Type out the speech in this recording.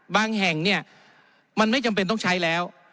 แห่งเนี่ยมันไม่จำเป็นต้องใช้แล้ว